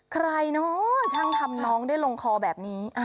ใครเนอะช่างทำน้องได้ลงคอแบบนี้